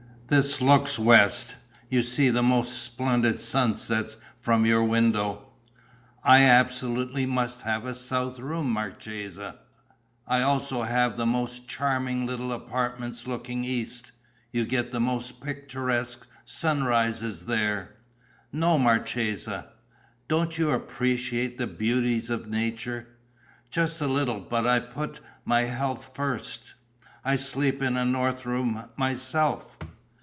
"This looks west: you see the most splendid sunsets from your window." "I absolutely must have a south room, marchesa." "I also have the most charming little apartments looking east: you get the most picturesque sunrises there." "No, marchesa." "Don't you appreciate the beauties of nature?" "Just a little, but I put my health first." "I sleep in a north room myself."